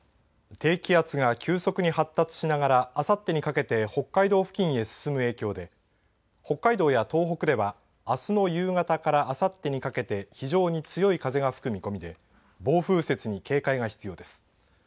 低気圧が急速に発達しながらあさってにかけて北海道付近へ進む影響で北海道や東北ではあすの夕方からあさってにかけて非常に強い風が吹く見込みで暴風雪に警戒が必要です。